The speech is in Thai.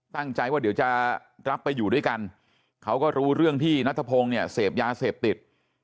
ตั้งใจว่าเดี๋ยวจะรับไปอยู่ด้วยกันเขาก็รู้เรื่องที่นัทพงศ์เนี่ยเสพยาเสพติด